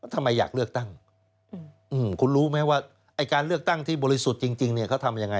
ทำไมอยากเลือกตั้งคุณรู้ไหมว่าไอ้การเลือกตั้งที่บริสุทธิ์จริงเขาทำยังไง